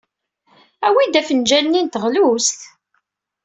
Awi-d afenǧal-nni n teɣlust?